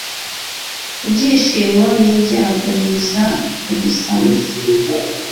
ibyishimo nibyago biza kudusama